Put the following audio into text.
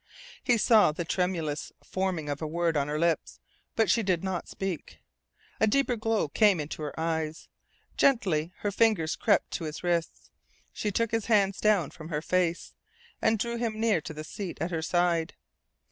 He saw the tremulous forming of a word on her lips, but she did not speak. A deeper glow came into her eyes. Gently her fingers crept to his wrists, and she took down his hands from her face, and drew him to the seat at her side.